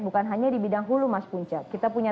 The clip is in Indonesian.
bukan hanya di bidang hulu mas punca kita punya